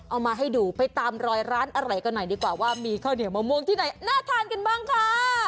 เอามาให้ดูไปตามรอยร้านอร่อยกันหน่อยดีกว่าว่ามีข้าวเหนียวมะม่วงที่ไหนน่าทานกันบ้างค่ะ